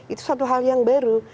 itu suatu hal yang baru